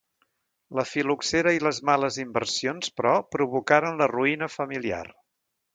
La fil·loxera i les males inversions, però, provocaren la ruïna familiar.